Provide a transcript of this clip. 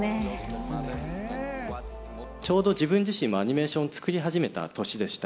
ちょうど、自分自身もアニメーション作り始めた年でした。